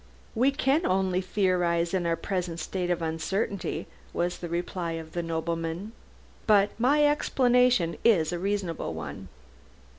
"We can only theorize in our present state of uncertainty," was the reply of the nobleman. "But my explanation is a reasonable one."